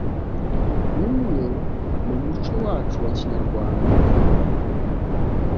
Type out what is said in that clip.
bimwe mu muco wacu wa Kinyarwanda nk’inka